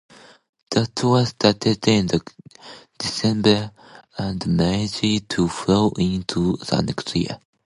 The tour started in December and managed to flow into the next year.